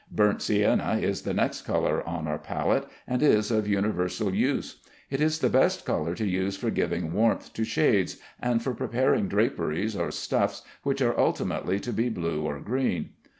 Burnt sienna is the next color on our palette, and is of universal use. It is the best color to use for giving warmth to shades, and for preparing draperies or stuffs which are ultimately to be blue or green.